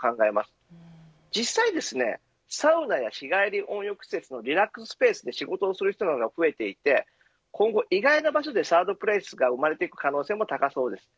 実際サウナや日帰り温浴施設のリラックススペースで仕事をする方が増えていて今後、意外な場所でサードプレイスが生まれていく可能性が高そうです。